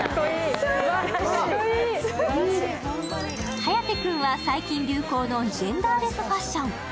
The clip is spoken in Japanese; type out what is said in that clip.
颯君は最近流行のジェンダーレスファッション。